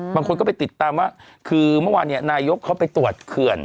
บางคนก็ไปติดตามว่าคือเมื่อวานเนี่ยนายกเขาไปตรวจเขื่อน